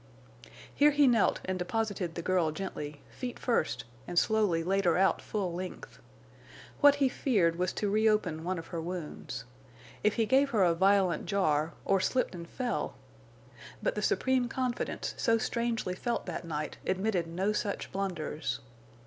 Here he knelt and deposited the girl gently, feet first and slowly laid her out full length. What he feared was to reopen one of her wounds. If he gave her a violent jar, or slipped and fell! But the supreme confidence so strangely felt that night admitted no such blunders.